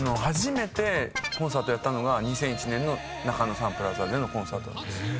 初めてコンサートやったのが２００１年の中野サンプラザでのコンサート。